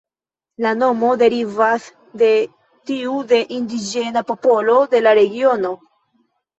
La nomo derivas de tiu de indiĝena popolo de la regiono.